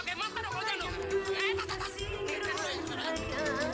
nih kayak gua dong